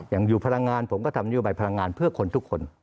อย่างอยู่พลังงานผมก็ทำนโยบายพลังงานเพื่อคนทุกคน